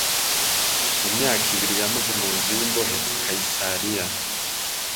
mu myaka ibiri yamaze mu nzu y’imbohe i Kayisariya